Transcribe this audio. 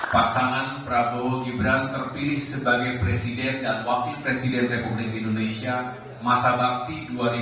pasangan prabowo gibran terpilih sebagai presiden dan wakil presiden republik indonesia masa bakti dua ribu dua puluh empat dua ribu dua puluh sembilan